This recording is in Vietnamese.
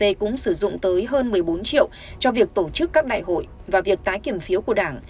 đô la mỹ cũng sử dụng tới hơn một mươi bốn triệu cho việc tổ chức các đại hội và việc tái kiểm phiếu của đảng